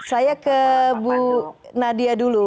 saya ke bu nadia dulu